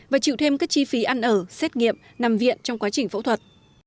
và chịu thêm các chi phí ăn ở xét nghiệm nằm viện trong quá trình phẫu thuật